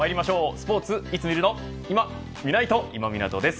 スポーツいつ見るのいまみないと、今湊です。